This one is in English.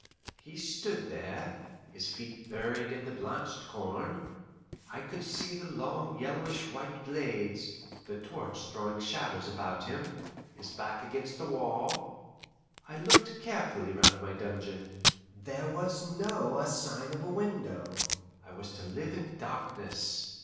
He stood there, his feet buried in the blanched corn I could see the long yellowish white blades the torch throwing shadows about him, his back against the wall. I looked carefully round my dungeon. There was no a sign of a window; I was to live in darkness.